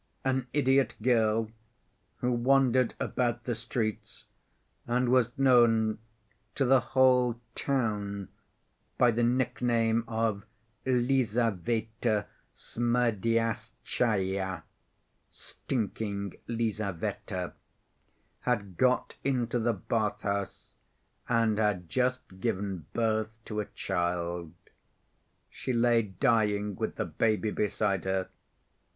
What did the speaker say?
An idiot girl, who wandered about the streets and was known to the whole town by the nickname of Lizaveta Smerdyastchaya (Stinking Lizaveta), had got into the bath‐ house and had just given birth to a child. She lay dying with the baby beside her.